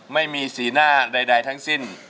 ไม่มีสีหน้าใดทั้งสิ้น